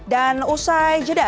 dan usai jadinya